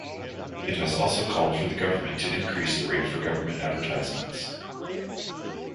It has also called for the government to increase the rate for government advertisements.